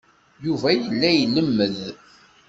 Yuba yella ilemmed.